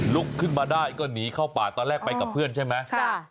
ลุกขึ้นมาได้ก็หนีเข้าป่าตอนแรกไปกับเพื่อนใช่ไหม